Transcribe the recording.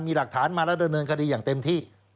มีหลักฐานมาแล้วดำเนินคดีอย่างเต็มที่